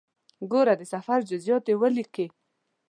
ګوره د سفر جزئیات دې ولیکې.